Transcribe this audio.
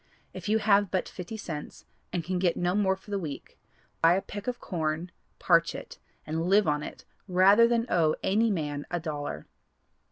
If you have but fifty cents and can get no more for the week, buy a peck of corn, parch it, and live on it rather than owe any man a dollar."